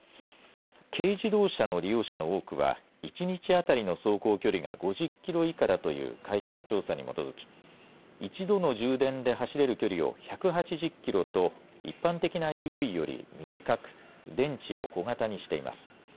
軽自動車の利用者の多くは、１日当たりの走行距離が５０キロ以下だという会社の調査に基づき、１度の充電で走れる距離を１８０キロと一般的なＥＶより短く、電池を小型にしています。